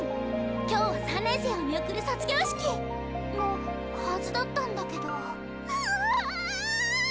今日は３年生を見送る卒業式！のはずだったんだけどはわわわわ！